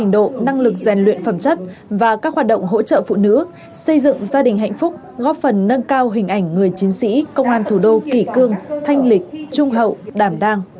năng lực rèn luyện phẩm chất và các hoạt động hỗ trợ phụ nữ xây dựng gia đình hạnh phúc góp phần nâng cao hình ảnh người chiến sĩ công an thủ đô kỳ cương thanh lịch trung hậu đảm đang